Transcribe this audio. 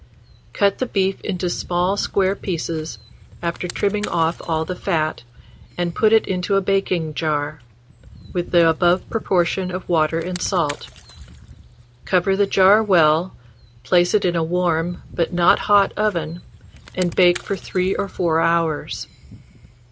Cut the beef into small square pieces, after trimming off all the fat, and put it into a baking jar, with the above proportion of water and salt; cover the jar well, place it in a warm, but not hot oven, and bake for 3 or 4 hours.